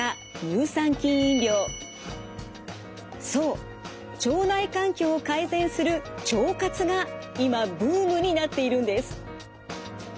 そう腸内環境を改善する腸活が今ブームになっているんです。